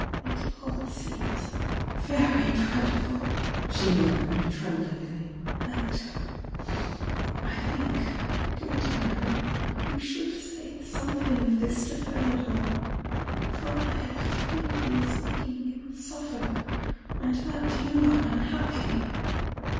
"It seems tJl very dreadful!" she murmured, trem blingly. "And I think, dear Diac , you should say something of this to Feodor. For I am afraid he is making you suffer, and that you are unhappy."